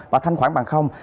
và thanh khoản bằng